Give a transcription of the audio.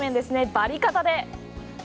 バリカタで。